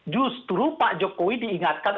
justru pak jokowi diingatkan